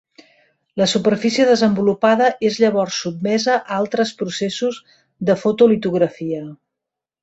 La superfície desenvolupada és llavors sotmesa a altres processos de fotolitografia.